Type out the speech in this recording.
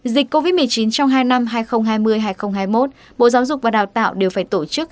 dịch covid một mươi chín trong hai năm hai nghìn hai mươi hai nghìn hai mươi một bộ giáo dục và đào tạo đều phải tổ chức